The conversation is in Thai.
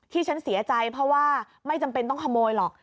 ที่ฉันเสียใจเพราะว่าไม่จำเป็นต้องขโมยหรอก